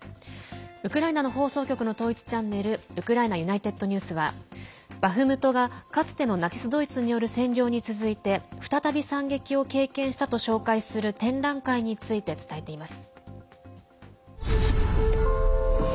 ウクライナの放送局の統一チャンネルウクライナＵｎｉｔｅｄＮｅｗｓはバフムトが、かつてのナチス・ドイツによる占領に続いて再び惨劇を経験したと紹介する展覧会について伝えています。